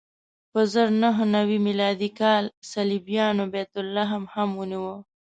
په زر نهه نوې میلادي کال صلیبیانو بیت لحم هم ونیو.